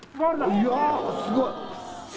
いやすごい！